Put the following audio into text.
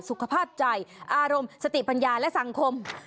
สุขภาพใจอารมณ์สติปัญญาและสังคม